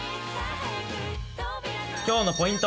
今日のポイント！